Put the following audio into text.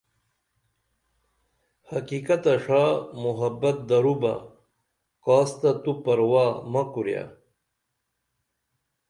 حقیقت تہ ݜا محبت درو بہ کاس تہ تو پرواہ مہ کوریہ